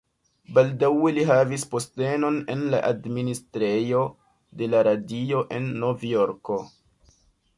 Baldaŭe li havis postenon en la administrejo de la Radio en Novjorko.